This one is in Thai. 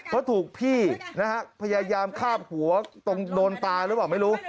เพราะถูกพี่นะฮะพยายามคาบหัวตรงโดนตาหรือเปล่าไม่รู้